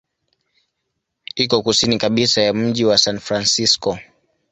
Iko kusini kabisa ya mji wa San Francisco.